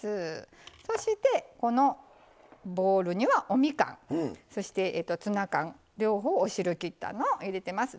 そしてこのボウルにはおみかんそしてツナ缶両方をお汁きったのを入れてます。